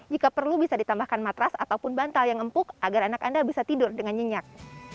jika perlu bisa ditambahkan matras ataupun bantal yang empuk agar anak anda bisa tidur dengan nyenyak